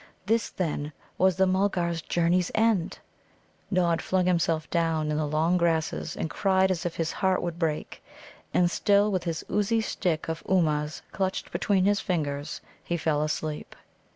This, then, was the Mulgars' journey's end! Nod flung himself down in the long grasses, and cried as if his heart would break. And still with his oozy stick of Ummuz clutched between his fingers, he fell asleep.